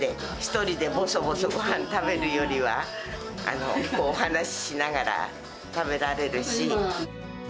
１人でぼそぼそごはん食べるよりは、お話ししながら、食べられるし。